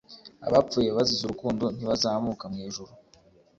Abapfuye bazize urukundo ntibazamuka mu ijuru